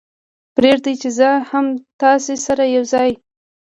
پرېږدئ چې زه هم تاسې سره یو ځای.